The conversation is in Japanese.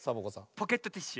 ポケットティッシュ。